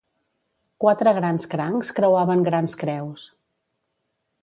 Quatre grans crancs creuaven grans creus.